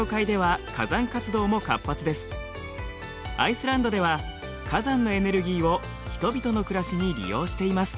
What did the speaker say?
アイスランドでは火山のエネルギーを人々の暮らしに利用しています。